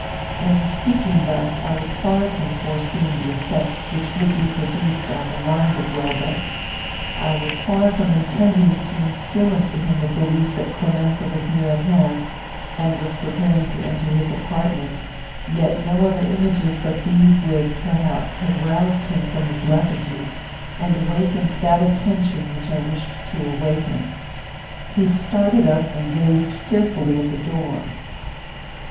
In speaking thus, I was far from foreseeing the effects which would be produced on the mind of Welbeck. I was far from intending to instil into him a belief that Clemenza was near at hand, and was preparing to enter his apartment; yet no other images but these would, perhaps, have roused him from his lethargy, and awakened that attention which I wished to awaken. He started up, and gazed fearfully at the door.